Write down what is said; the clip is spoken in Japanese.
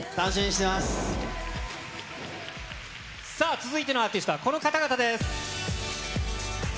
続いてのアーティストはこの方々です。